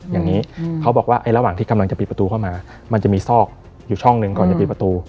อย่างนี้เขาบอกว่าไอ้ระหว่างที่กำลังจะปิดประตูเข้ามามันจะมีซอกอยู่ช่องหนึ่งก่อนจะปิดประตู